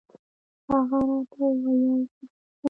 هغه راته وويل چې درځم